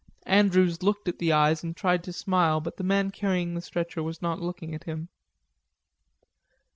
Andrews looked at the eyes and tried to smile, but the man carrying the stretcher was not looking at him.